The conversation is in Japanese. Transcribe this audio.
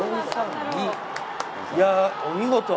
いや、お見事。